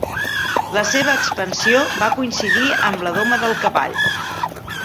La seva expansió va coincidir amb la doma del cavall.